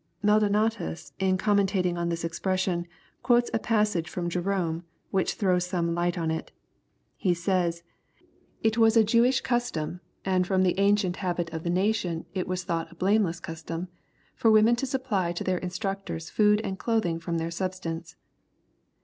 ] Maldonatus in comment ing on this expression quotes a passage from Jerome, which throws some light on it He says, "It was a Jewish custom, and from the ancient hab.t of the nation it was thought a blamo* LUEE^ CHAP. Vni. 249 less costcia, for women to supply to their instruotors food and clothing from their substance.